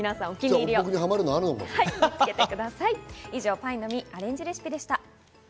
以上、パイの実アレンジレシピでした。